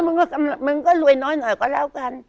อย่างนั้นมันก็รวยน้อยหน่อยก็แล้วกัน